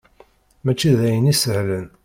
Mačči d ayen isehlen.